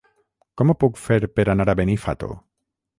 Com ho puc fer per anar a Benifato?